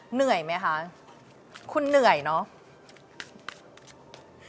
เหนื่อยไหมคะคุณเหนื่อยเนอะ